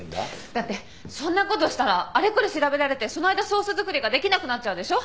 だってそんなことしたらあれこれ調べられてその間ソース作りができなくなっちゃうでしょ。